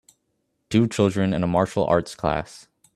Two children in a martial arts class